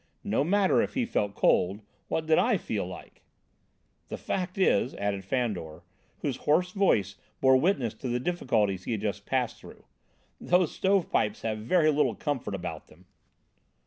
No matter, if he felt cold, what did I feel like?" "The fact is," added Fandor, whose hoarse voice bore witness to the difficulties he had just passed through, "these stove pipes have very little comfort about them."